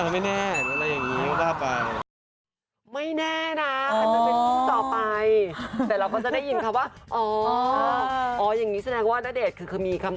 แม้ว่าเขาคู่แรกเราคู่เขา